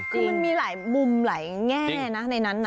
คือมันมีหลายมุมหลายแง่นะในนั้นนะ